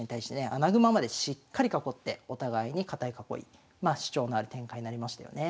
穴熊までしっかり囲ってお互いに堅い囲い主張のある展開になりましたよね。